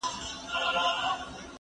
زه له سهاره لوښي وچوم!